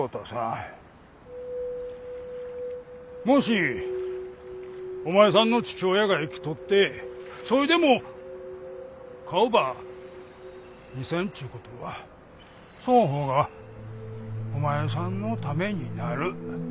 もしお前さんの父親が生きとってそいでも顔ば見せんちゅうことはそん方がお前さんのためになる。